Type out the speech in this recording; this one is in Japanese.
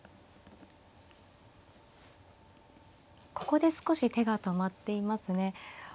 ここで少し手が止まっていますね。